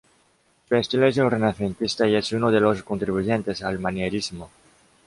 Su estilo es renacentista y es uno de los contribuyentes al Manierismo.